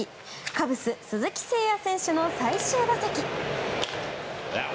カブス鈴木誠也選手の最終打席。